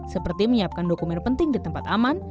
seperti menyiapkan dokumen penting di tempat aman